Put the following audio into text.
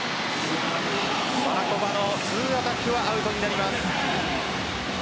バラコバのツーアタックはアウトになります。